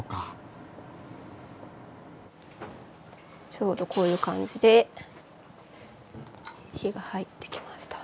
ちょうどこういう感じで火が入ってきました。